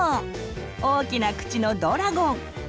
大きな口のドラゴン。